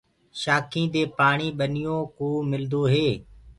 شآکينٚ دي پآڻي ٻنيوڪوُ ملدو هي۔